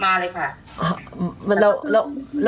ก็คือไม่ค่าฝันแต่เหมือนสะกิดสะกิดมาเลยค่ะ